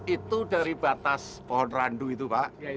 itu dari batas pohon randu itu pak